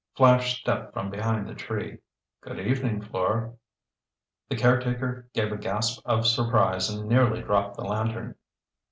Flash stepped from behind the tree. "Good evening, Fleur." The caretaker gave a gasp of surprise and nearly dropped the lantern.